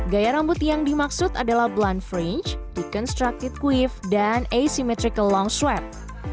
gaya rambut yang dimaksud adalah blonde fringe deconstructed quiff dan asymmetrical long swept